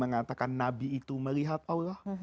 mengatakan nabi itu melihat allah